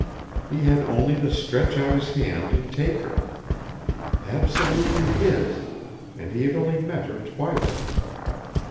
He had only to stretch out his hand and take her. Absolutely his, and he had only met her twice.